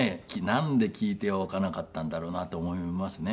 なんで聞いておかなかったんだろうなと思いますね。